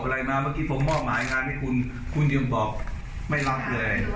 และวัชโน้ต